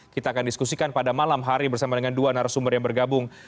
kita akan diskusikan pada malam hari bersama dengan dua narasumber yang bergabung